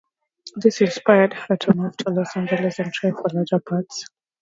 This inspired her to move to Los Angeles and try for larger parts.